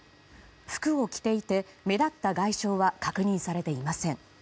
服を着ていて目立った外傷は確認されていません。